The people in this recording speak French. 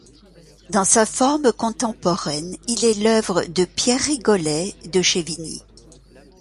Dans sa forme contemporaine, il est l'œuvre de Pierre Rigoley de Chevigny.